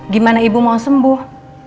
gimana ibu mau sembuh